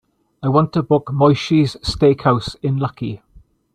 I want to book Moishes Steakhouse in Lucky.